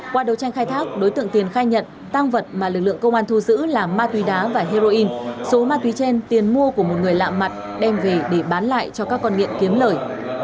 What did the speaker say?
qua đấu tranh khai thác đối tượng tiền khai nhận tăng vật mà lực lượng công an thu giữ là ma túy đá và heroin số ma túy trên tiền mua của một người lạ mặt đem về để bán lại cho các con nghiện kiếm lời